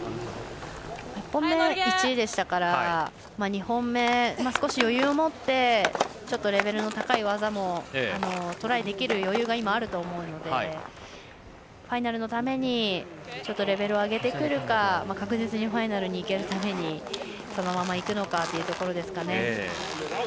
１本目、１位でしたから２本目、少し余裕を持ってちょっとレベルの高い技もトライできる余裕が今はあると思うのでファイナルのためにレベルを上げてくるか確実にファイナルに行くためにそのままいくのかというところですかね。